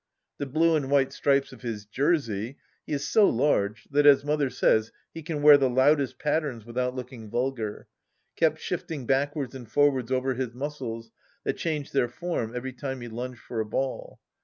The blue and white stripes of his jersey — ^he is so large that, as Mother says, he can wear the loudest patterns without looking vulgar — kept shifting backwards and forwards over his muscles, that changed their form every time he lunged for a ball.